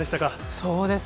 そうですね。